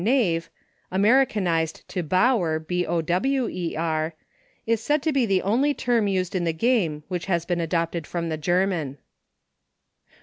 29 Knave, Americanized to Bower, is said to be the only term used in the game which has been adopted from the German.